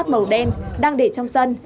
màu đen đang để trong sân